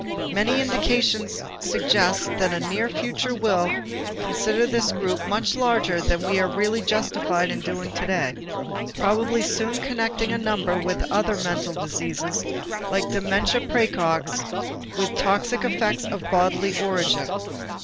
Many indications suggest that a near future will consider this group much larger than we are really justified in doing today, probably soon connecting a number of other mental diseases like dementia præcox with toxic effects of bodily origin.